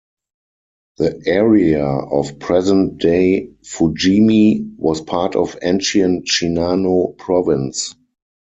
The area of present-day Fujimi was part of ancient Shinano Province.